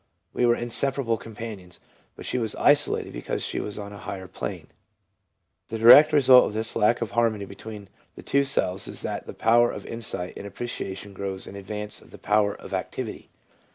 We were inseparable companions, but she was isolated because she was on a higher plane/ The direct result of this lack of harmony between the two selves is that the power of insight and apprecia tion grows in advance of the power of activity.